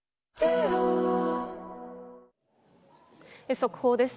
速報です。